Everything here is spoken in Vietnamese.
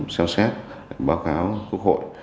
xem xét báo cáo quốc hội